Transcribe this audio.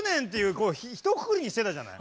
こうひとくくりにしてたじゃない。